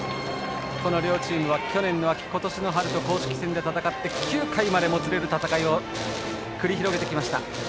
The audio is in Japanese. この両チームは去年秋、今年春と公式戦で戦って９回までもつれる戦いを繰り広げてきました。